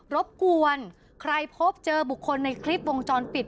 รบกวนใครพบเจอบุคคลในคลิปวงจรปิด